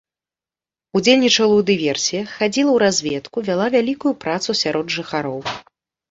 Удзельнічала ў дыверсіях, хадзіла ў разведку, вяла вялікую працу сярод жыхароў.